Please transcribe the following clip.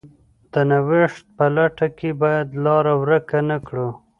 د نوښت په لټه کې باید لار ورکه نه کړو.